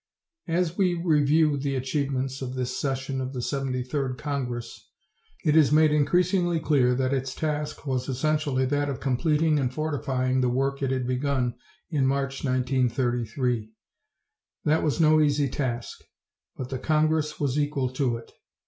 As we review the achievements of this session of the Seventy third Congress, it is made increasingly clear that its task was essentially that of completing and fortifying the work it had begun in March, l933. That was no easy task, but the Congress was equal to it.